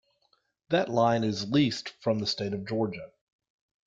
That line is leased from the state of Georgia.